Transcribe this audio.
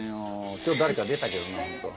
今日誰か出たけどな本当は。